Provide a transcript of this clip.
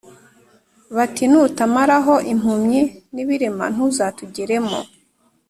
bati “Nutamaraho impumyi n’ibirema ntuzatugeramo”